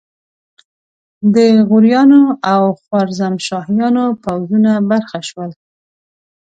د غوریانو او خوارزمشاهیانو پوځونو برخه شول.